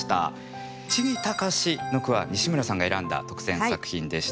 「千木高し」の句は西村さんが選んだ特選作品でした。